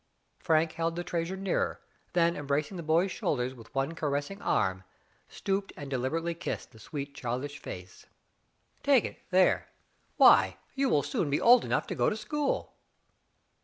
Frank held the treasure nearer, then embracing the boy's shoulders with one caressing arm, stooped and deliberately kissed the sweet, child ish face. Digitized by Google MAV CROMMELm, 6i "Take it, there. Why, you will soon be old enough to go to school."